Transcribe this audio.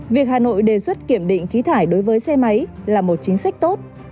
việc hà nội đề xuất kiểm định khí thải đối với xe máy là một chính sách tốt